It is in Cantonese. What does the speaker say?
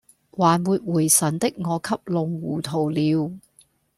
還沒回神的我給弄糊塗了